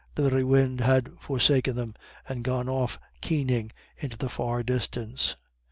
The very wind had forsaken them, and gone off keening into the far distance.